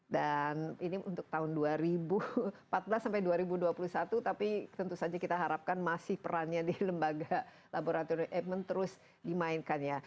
dan ini untuk tahun dua ribu empat belas sampai dua ribu dua puluh satu tapi tentu saja kita harapkan masih perannya di lembaga laboratorium aikman terus dimainkannya